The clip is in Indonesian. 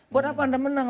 buat apa anda menang